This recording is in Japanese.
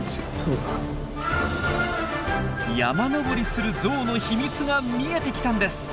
山登りするゾウの秘密が見えてきたんです。